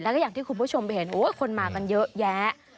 แล้วก็อย่างที่คุณผู้ชมเห็นคนมากันเยอะแยะ